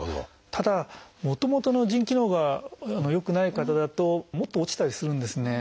ただもともとの腎機能が良くない方だともっと落ちたりするんですね。